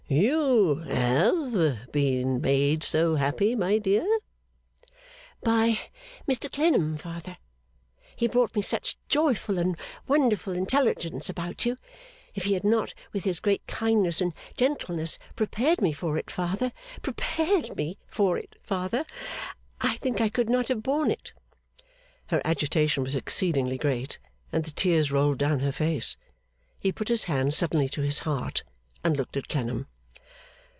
'You have been made so happy, my dear?' 'By Mr Clennam, father. He brought me such joyful and wonderful intelligence about you! If he had not with his great kindness and gentleness, prepared me for it, father prepared me for it, father I think I could not have borne it.' Her agitation was exceedingly great, and the tears rolled down her face. He put his hand suddenly to his heart, and looked at Clennam.